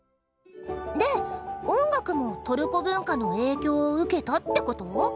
で音楽もトルコ文化の影響を受けたってこと？